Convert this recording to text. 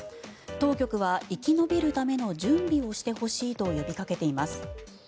当局は生き延びるための準備をしてほしいと呼びかけています。